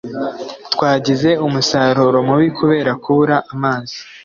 twagize umusaruro mubi kubera kubura amazi